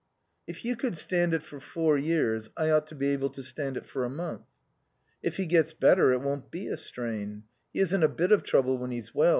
"If you could stand it for four years I ought to be able to stand it for a month." "If he gets better it won't be a strain. He isn't a bit of trouble when he's well.